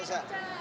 rahasia dulu lah